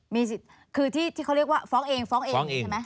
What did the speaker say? มีสิทธิ์คือที่เขาเรียกว่าฟ้องเองฟ้องเองใช่ไหม